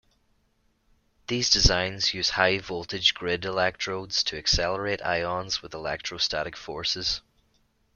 These designs use high-voltage grid electrodes to accelerate ions with electrostatic forces.